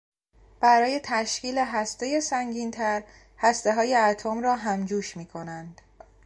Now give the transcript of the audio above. برای تشکیل هستهی سنگینتر هستههای اتم را همجوش میکنند.